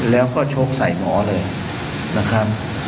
แล้วก็ชกใส่หมอเลยนะครับ